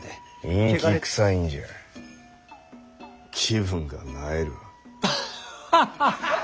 陰気くさいんじゃ気分が萎えるわ。